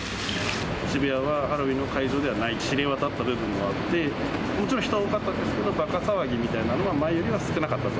渋谷はハロウィーンの会場ではないと知れ渡った部分もあって、もちろん人は多かったんですけど、ばか騒ぎみたいなものは前よりは少なかったと。